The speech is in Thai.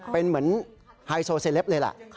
เป็นเหมือนไฮโซเซเลปเลยล่ะ